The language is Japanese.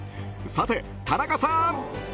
さて、田中さん！